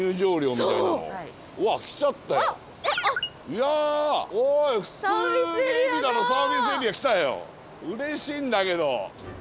いやおいうれしいんだけど。